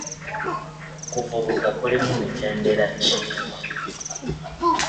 Okuvubuka kulimu mitendera ki?